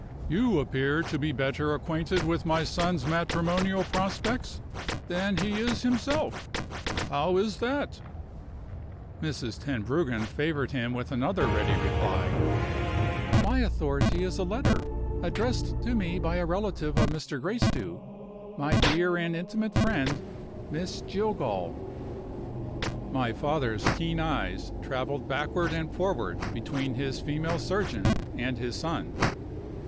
"You appear to be better acquainted with my son's matrimonial prospects than he is himself. How is that?" Mrs. Tenbruggen favored him with another ready reply: "My authority is a letter, addressed to me by a relative of Mr. Gracedieu my dear and intimate friend, Miss Jillgall." My father's keen eyes traveled backward and forward between his female surgeon and his son.